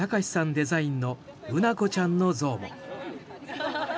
デザインのうなこちゃんの像も。